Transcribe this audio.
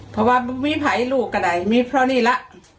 เพราะว่ามีภัยลูกก็ได้มีเพราะนี่แหละ